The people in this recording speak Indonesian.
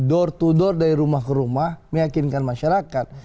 door to door dari rumah ke rumah meyakinkan masyarakat